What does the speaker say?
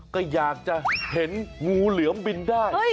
ก็อยากจะเห็นงูเหลือมบินได้